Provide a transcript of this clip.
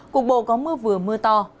cục bộ có mưa vừa mưa to